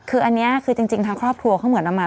คืออันนี้คือจริงทางครอบครัวเขาเหมือนเอามา